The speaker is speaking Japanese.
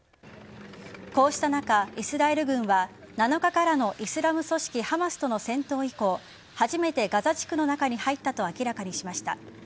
こうした中、イスラエル軍は７日からのイスラム組織・ハマスとの戦闘以降初めてガザ地区の中に入ったと明らかにしました。